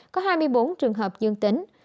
có hai mươi bốn trường hợp dương tính